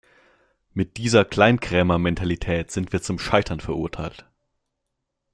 Mit dieser Kleinkrämermentalität sind wir zum Scheitern verurteilt.